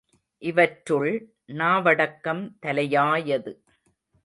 இவற்றுள் நாவடக்கம் தலையாயது.